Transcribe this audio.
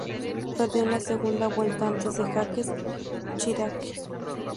Perdió en la segunda vuelta ante Jacques Chirac.